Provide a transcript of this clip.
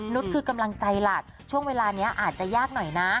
คือกำลังใจหลักช่วงเวลานี้อาจจะยากหน่อยนะ